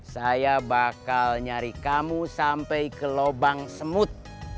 saya bakal nyari kamu sampai ke lubang semut